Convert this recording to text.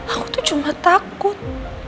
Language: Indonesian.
aku tuh cuma takut